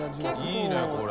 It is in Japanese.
いいねこれ。